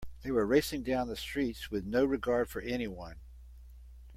They were racing down the streets with no regard for anyone.